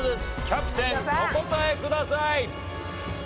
キャプテンお答えください。